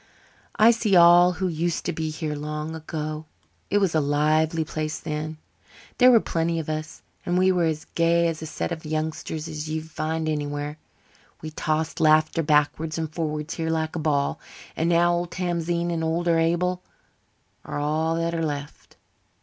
I see all who used to be here long ago. It was a lively place then. There were plenty of us and we were as gay a set of youngsters as you'd find anywhere. We tossed laughter backwards and forwards here like a ball. And now old Tamzine and older Abel are all that are left."